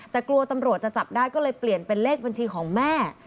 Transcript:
แต่กลัวตำรวจจะจับได้ก็เลยเปลี่ยนเป็นเลขบัญชีของแม่